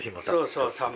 そうそう。